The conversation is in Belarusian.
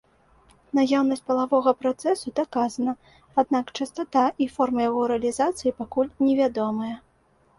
Наяўнасць палавога працэсу даказана, аднак частата і формы яго рэалізацыі пакуль невядомыя.